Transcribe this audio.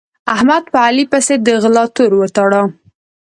احمد په علي پسې د غلا تور وتاړه.